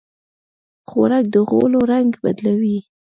خوراک د غولو رنګ بدلوي.